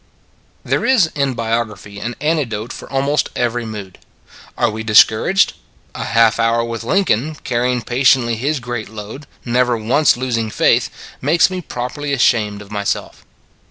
" There is in biography an antidote for almost every mood. Are we discouraged ? A half hour with Lincoln, carrying patiently his great load, never once losing faith, makes me properly ashamed of myself.